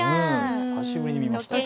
久しぶりに見ました。